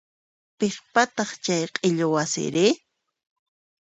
Piqpataq chay q'illu wasiri?